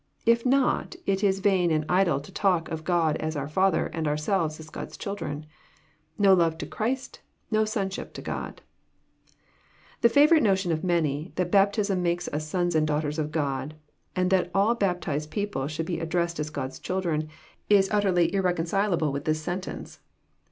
If not, it is vain and idle to talk of God as our Father, and ourselves as God*s children. No love to Christy no sonship to God I The favourite notion of many, that baptism makes ns sons and daughters of God, and that all baptized people should be addressed as God's children, is utterly irreconcilable with this sentence.